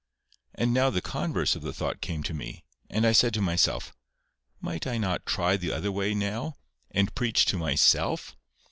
And now the converse of the thought came to me, and I said to myself, "Might I not try the other way now, and preach to myself?